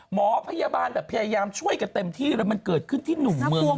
หมอพยาบาลแบบพยายามช่วยกันเต็มที่แล้วมันเกิดขึ้นที่หนุ่มเมือง